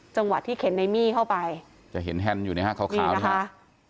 จังหวะที่เข็นในมี่เข้าไปจะเห็นแฮนด์อยู่นะฮะขาวนะคะ